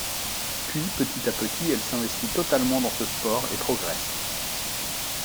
Puis petit à petit, elle s'investit totalement dans ce sport et progresse.